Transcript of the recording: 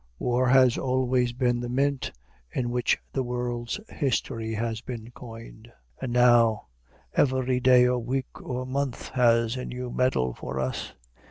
War has always been the mint in which the world's history has been coined, and now every day or week or month has a new medal for us.